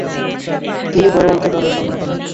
তিনি বড় অঙ্কের রানের সন্ধান পাননি।